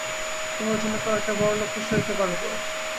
তোমার জন্য কয়েকটা বড়লোককে সইতে পারবো।